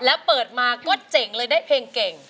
แล้วเปิดมาก็เจ๋งเลยได้เพลงเก่ง